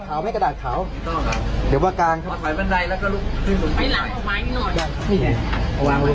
วางให้ให้ให้ให้แม่ดูด้วยให้เขาดูด้วยติดตรงนะ